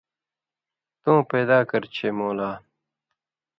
تَوں پیدا کرہ چھے مولا